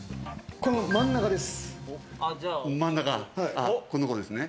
この真ん中です。